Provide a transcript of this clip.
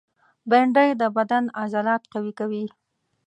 بېنډۍ د بدن عضلات قوي کوي